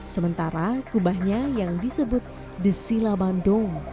sementara kubahnya yang disebut desila bandung